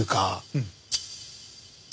うん。